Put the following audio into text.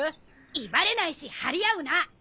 威張れないし張り合うな！